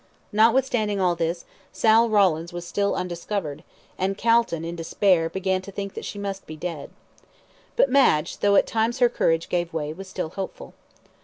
Notwithstanding all this, Sal Rawlins was still undiscovered, and Calton, in despair, began to think that she must be dead. But Madge, though at times her courage gave way, was still hopeful.